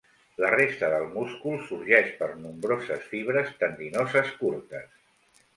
La resta del múscul sorgeix per nombroses fibres tendinoses curtes.